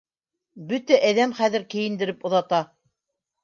Бөтә әҙәм хәҙер кейендереп оҙата.